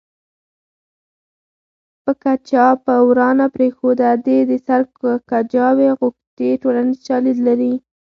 پکه چا په ورا نه پرېښوده دې د سر کجاوې غوښتې ټولنیز شالید لري